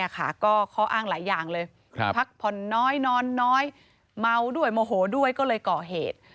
ก็ข้ออ้างหลายอย่างเลยพักผ่อนน้อยนอนน้อยเมาด้วยโมโหด้วยก็เลยก่อเหตุ